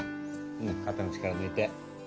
うん肩の力ぬいて。